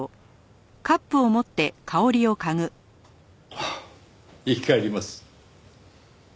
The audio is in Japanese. ああ生き返ります。